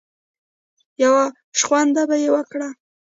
يو شخوند به يې وکړ.